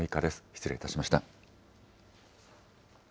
失礼いたしました。